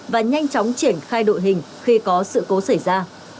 và nhanh chóng triển khai đội hình khi có sự cố xảy ra